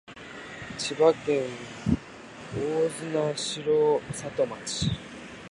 千葉県大網白里市